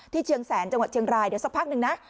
เชียงแสนจังหวัดเชียงรายเดี๋ยวสักพักหนึ่งนะ